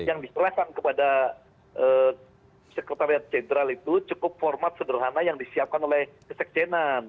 yang diserahkan kepada sekretariat jenderal itu cukup format sederhana yang disiapkan oleh kesekjenan